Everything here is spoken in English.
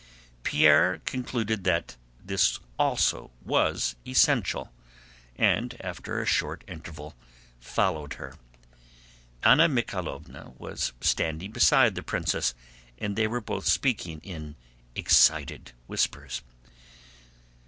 Pierre concluded that this also was essential, and after a short interval followed her. Anna Mikháylovna was standing beside the princess, and they were both speaking in excited whispers.